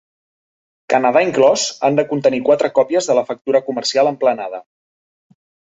Canadà inclòs, han de contenir quatre còpies de la factura comercial emplenada.